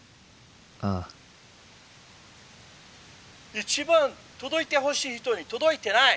「一番届いてほしい人に届いてない？